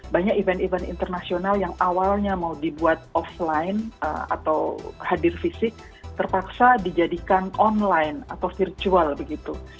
banyak event event internasional yang awalnya mau dibuat offline atau hadir fisik terpaksa dijadikan online atau virtual begitu